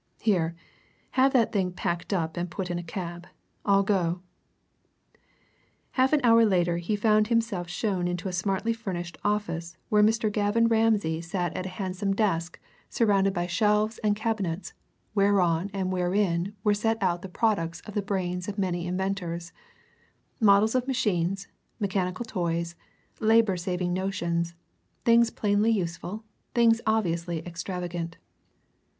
"Here, have that thing packed up and put in a cab I'll go." Half an hour later he found himself shown into a smartly furnished office where Mr. Gavin Ramsay sat at a handsome desk surrounded by shelves and cabinets whereon and wherein were set out the products of the brains of many inventors models of machines, mechanical toys, labour saving notions, things plainly useful, things obviously extravagant.